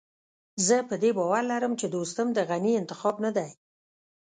زه په دې باور لرم چې دوستم د غني انتخاب نه دی.